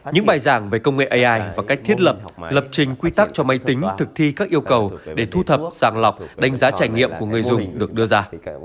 những bài giảng về công nghệ ai và cách thiết lập lập trình quy tắc cho máy tính thực thi các yêu cầu để thu thập giảng lọc đánh giá trải nghiệm của người dùng được đưa ra